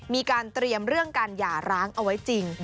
มีการเตรียมเรื่องการหย่าร้างเอาไว้จริง